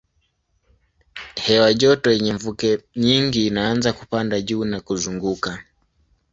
Hewa joto yenye mvuke nyingi inaanza kupanda juu na kuzunguka.